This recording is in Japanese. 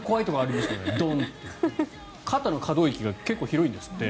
肩の可動域が結構広いんですって。